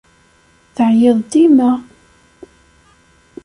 Teεyiḍ dima.